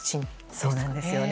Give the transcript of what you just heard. そうなんですよね。